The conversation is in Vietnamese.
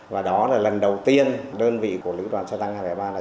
và đó là lần đầu tiên đơn vị của lữ đoàn xe tăng hai trăm linh ba này